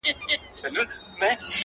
خدایه چیري په سفر یې له عالمه له امامه _